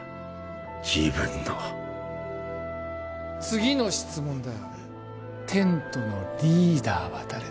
自分の次の質問だテントのリーダーは誰だ？